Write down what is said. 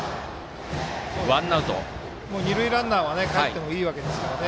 二塁ランナーはかえってもいいわけですからね。